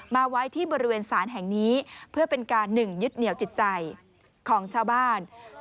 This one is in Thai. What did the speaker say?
มาไว้ที่บริเวณศาลแห่งนี้เพื่อเป็นการหนึ่งยึดเหนียวจิตใจของชาวบ้าน